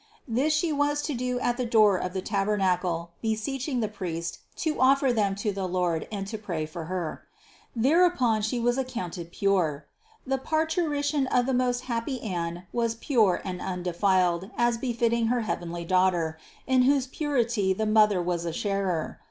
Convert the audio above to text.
This she was to do at the door of the tabernacle, beseeching the priest to offer them to the Lord and to pray for her; thereupon she was accounted pure. The parturition of the most happy Anne was pure and undefined, as befitting her heavenly Daughter, in whose purity the mother was a sharer.